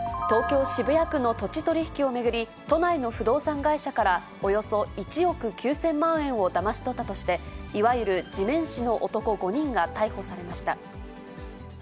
東京・渋谷区の土地取り引きを巡り、都内の不動産会社から、およそ１億９０００万円をだまし取ったとして、いわゆる地面師の男５人が逮捕されました。